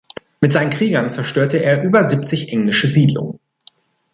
Mit seinen Kriegern zerstörte er über siebzig englische Siedlungen.